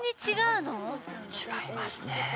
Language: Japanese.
違いますね。